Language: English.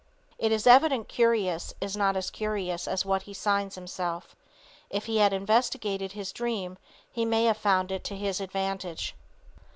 It is evident Curious is not as curious as what he signs himself. If he had investigated his dream he may have found it to his advantage.